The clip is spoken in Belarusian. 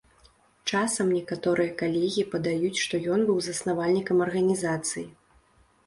Часам некаторыя калегі падаюць, што ён быў заснавальнікам арганізацыі.